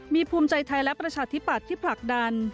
มีภูมิใจไทยและประชาธิปัตย์ที่ผลักดัน